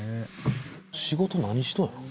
仕事何しとるんや？